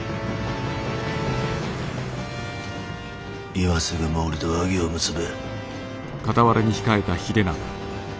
今すぐ毛利と和議を結べ。